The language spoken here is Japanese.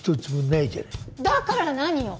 だから何よ？